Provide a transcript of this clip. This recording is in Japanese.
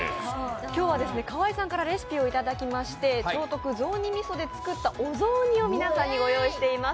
今日は河井さんからレシピを聞きまして、超特ぞうに味噌で作ったお雑煮を皆さんに御用意しています。